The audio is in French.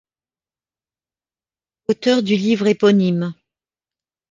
Auteur du livre éponyme.